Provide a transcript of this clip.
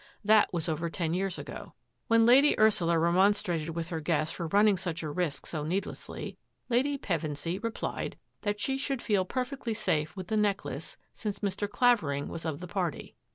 That was over ten years ago. When Lady Ursula remonstrated with her guest for running such a risk so needlessly, Lady Pevensy replied that she should feel perfectly safe with the necklace since Mr. Clavering was of the party.